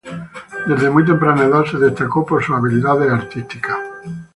Desde muy temprana edad se destacó por sus habilidades artísticas.